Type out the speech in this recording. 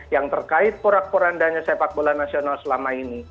yang terkait porak porandanya sepak bola nasional selama ini